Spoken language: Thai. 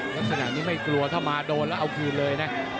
ลักษณะนี้ไม่กลัวถ้ามาโดนแล้วเอาคืนเลยนะ